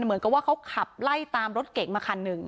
เหมือนกับว่าเขาขับไล่ตามรถเก่งมาคันหนึ่ง